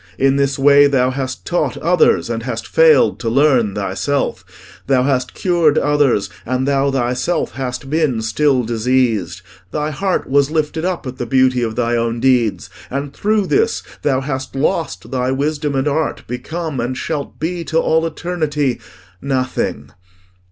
In this way thou hast taught others, and hast failed to learn thyself. Thou hast cured others: and thou thyself hast been still diseased. Thy heart was lifted up at the beauty of thy own deeds, and through this thou hast lost thy wisdom and art become, and shalt be to all eternity, nothing...